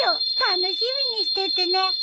楽しみにしててね。